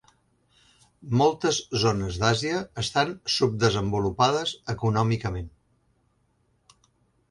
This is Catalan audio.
Moltes zones d'Àsia estan subdesenvolupades econòmicament.